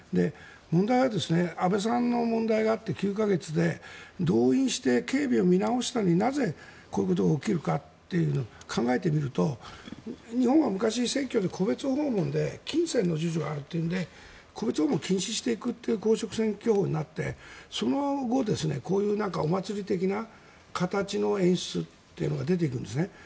問題は安倍さんの問題があって９か月で動員して警備を見直したのになぜ、こういうことが起きるかというのを考えてみると、日本は昔選挙で、戸別訪問で金銭の授受があるのというので戸別訪問を禁止していくっていう公職選挙法になってその後、こういうお祭り的な形の演出というのが出ていくんです。